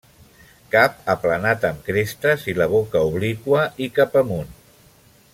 Cap aplanat amb crestes i la boca obliqua i cap amunt.